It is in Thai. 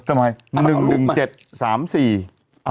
กล้องใหญ่มันแก้กล้องใหญ่อะ